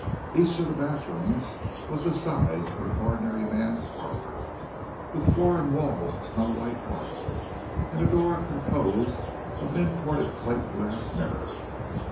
Each of the bath rooms was the size of an ordinary man's parlour, with floor and walls of snow white marble, and a door composed of an imported plate glass mirror.